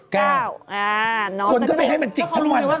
คนก็ไปให้มันจิกทั้งวัน